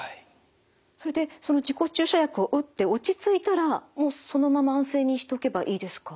それでその自己注射薬を打って落ち着いたらもうそのまま安静にしておけばいいですか？